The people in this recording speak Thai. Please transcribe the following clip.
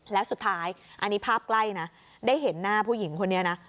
แล้วสุดท้ายอันนี้ภาพใกล้นะได้เห็นหน้าผู้หญิงคนนี้นะ